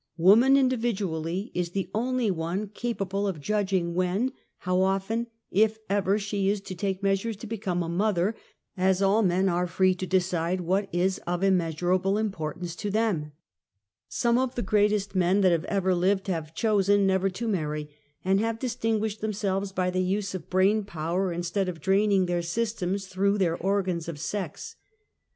Woman individu ally, is the only one capahle of judging when, how often, if ever, she is to take measures to become a mother as all men are free to decide what is of im measurable importance to them. Some of the greatest men that have ever lived have chosen never to marry, and have distinguished themselves by the use of brain power, instead of ■draining their systems through their organs of sex.